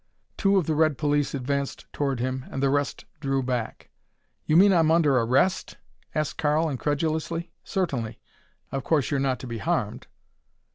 Two of the red police advanced toward him and the rest drew back. "You mean I'm under arrest?" asked Karl incredulously. "Certainly. Of course you're not to be harmed."